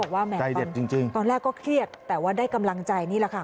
ก็บอกว่าแม่กันตอนแรกก็เครียดแต่ว่าได้กำลังใจนี่แหละค่ะ